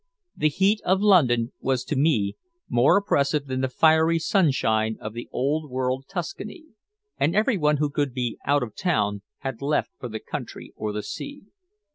The heat of London was, to me, more oppressive than the fiery sunshine of the old world Tuscany, and everyone who could be out of town had left for the country or the sea.